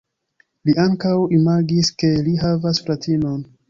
Li ankaŭ imagis ke li havas fratinon.